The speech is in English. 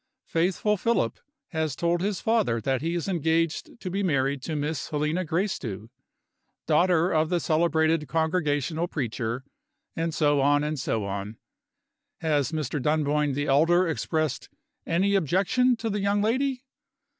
Faithful Philip has told his father that he is engaged to be married to Miss Helena Gracedieu, daughter of the celebrated Congregational preacher and so on, and so on. Has Mr. Dunboyne the elder expressed any objection to the young lady?